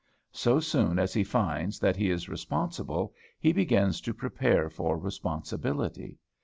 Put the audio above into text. So soon as he finds that he is responsible, he begins to prepare for responsibility.